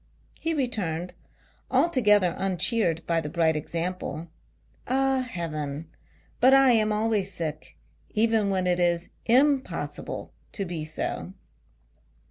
He returned, altogether uncheered by the bright example, " Ah, Heaven, but I am always sick, even when it is impossible to be so."